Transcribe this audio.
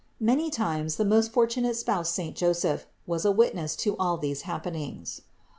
Many times the most fortunate spouse saint Joseph was a witness to all these happenings.